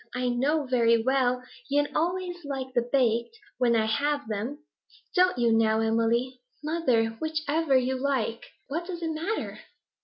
I know very well yen always like the baked, when I have them. Don't you, now, Emily?' 'Mother, which you like! What does it matter?'